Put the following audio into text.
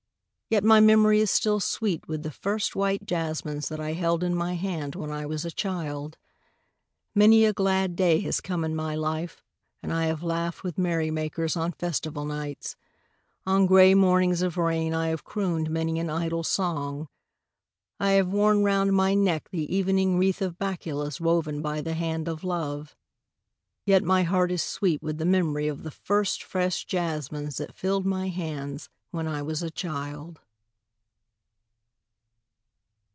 Yet my memory is still sweet with the first white jasmines that I held in my hand when I was a child. Many a glad day has come in my life, and I have laughed with merrymakers on festival nights. On grey mornings of rain I have crooned many an idle song. I have worn round my neck the evening wreath of bakulas woven by the hand of love. Yet my heart is sweet with the memory of the first fresh jasmines that filled my hands when I was a child.